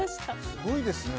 すごいですね。